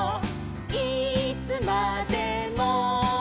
いつまでも」